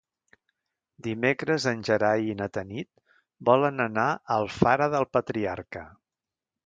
Dimecres en Gerai i na Tanit volen anar a Alfara del Patriarca.